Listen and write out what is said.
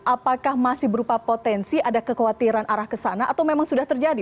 apakah masih berupa potensi ada kekhawatiran arah ke sana atau memang sudah terjadi